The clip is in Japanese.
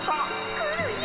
来るよ！